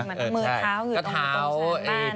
เหมือนมือเท้าอยู่ตรงนี้ตรงนั้นบ้าน